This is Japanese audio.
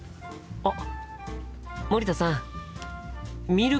あっ。